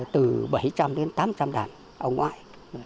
từ bảy trăm linh đến tám trăm linh đàn ông ngoại